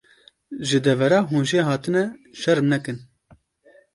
Ji devera hûn jê hatine, şerm nekin.